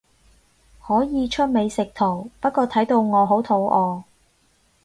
可以出美食圖，不過睇到我好肚餓